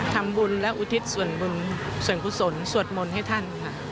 ทำบุญและอุทิศส่วนบุญส่วนกุศลสวดมนต์ให้ท่านค่ะ